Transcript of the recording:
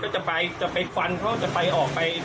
จะไปควันเขาก็จะไปออกไป